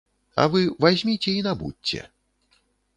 А вы вазьміце й набудзьце.